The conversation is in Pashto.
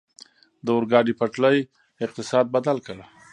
د اورګاډي پټلۍ اقتصاد بدل کړ.